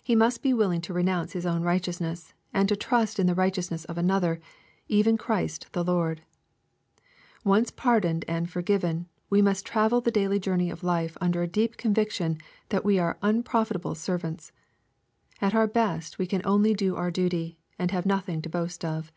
He must be willing to renounce his own righteousness, and to trust in the righteousness of another, even Christ the Lord. Once pardoned and forgiven, we must travel the daily journey of life under a deep conviction that we are " un profitable servants.'' At our best we only do our duty, and have nothing to boast of.